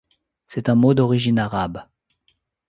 C'est un mot d'origine arabe.